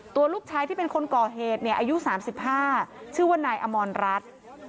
ตัวลูกชายที่เป็นคนก่อเหตุเนี่ยอายุ๓๕ชื่อว่านายอมรรัฐ